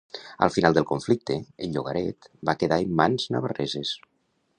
Al final del conflicte, el llogaret va quedar en mans navarreses.